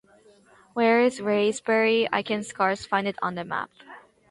Where is Wraysbury, I can scarce find it on the map?